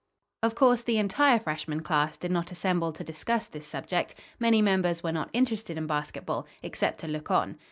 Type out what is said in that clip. Of course, the entire Freshman Class did not assemble to discuss this subject. Many members were not interested in basketball, except to look on.